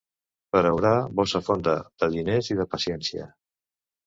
Per a obrar, bossa fonda, de diners i de paciència.